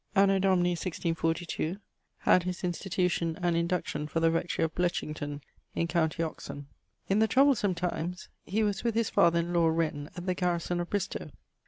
Anno Domini 1642, had his institution and induction for the rectorie of Bletchington in com. Oxon. In the troublesome times he was with his father in lawe Wren at the garrison of Bristowe.